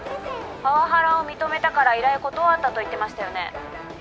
☎パワハラを認めたから依頼断ったと言ってましたよね？